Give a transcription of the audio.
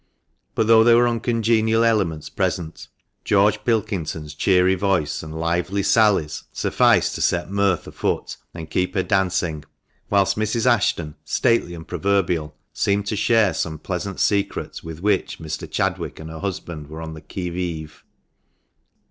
But though there were uncongenial elements present, George Pilkington's cheery voice and lively THE MANCHESTER MAN. 407 sallies sufficed to set mirth afoot and keep her dancing ; whilst Mrs. Ashton, stately and proverbial, seemed to share some pleasant secret with which Mr. Chadwick and her husband were on the qui vive.